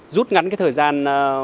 rút ngắn thời gian